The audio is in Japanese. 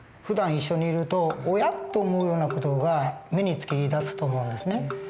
ふだん一緒にいるとおやっと思うような事が目に付きだすと思うんですね。